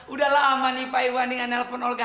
udah lama nih pak iwan dengan nelpon olga